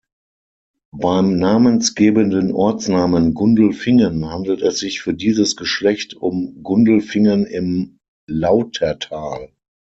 Beim namensgebenden Ortsnamen "Gundelfingen" handelt es sich für dieses Geschlecht um "Gundelfingen im Lautertal".